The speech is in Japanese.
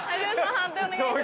判定お願いします。